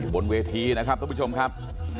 บนเวทีนะครับทุกผู้ชมครับ